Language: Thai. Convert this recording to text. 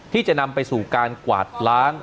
ที่จะนำไปสู่การกวาดล้าง